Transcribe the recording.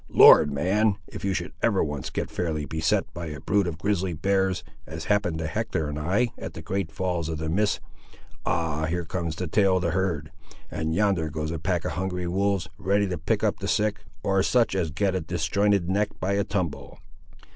Lord, man, if you should once get fairly beset by a brood of grizzly bears, as happened to Hector and I, at the great falls of the Miss—Ah, here comes the tail of the herd, and yonder goes a pack of hungry wolves, ready to pick up the sick, or such as get a disjointed neck by a tumble.